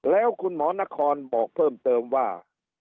แล้วคุณหมอนครบอกเพิ่มเติมว่า